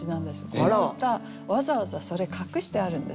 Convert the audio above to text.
この歌わざわざそれ隠してあるんです。